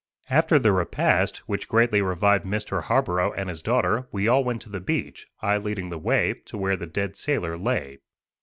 After the repast, which greatly revived Mr. Harborough and his daughter, we all went to the beach, I leading the way, to where the dead sailor lay.